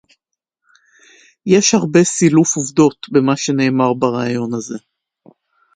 יש הרבה סילוף עובדות במה שנאמר בריאיון הזה